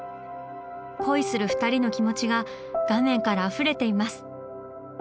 恋する２人の気持ちが画面からあふれています！